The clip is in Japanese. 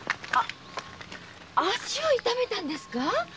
足を痛めたんですか？